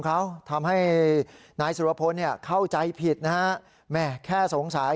เขาทำให้นายสุรพลเนี่ยเข้าใจผิดนะฮะแม่แค่สงสัย